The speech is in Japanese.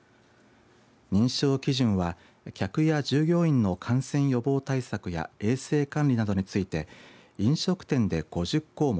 認証基準は客や従業員の感染予防対策や衛生管理などについて飲食店で５０項目